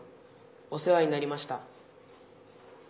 お世話になりました」。